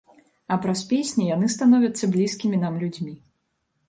І праз песні яны становяцца блізкімі нам людзьмі.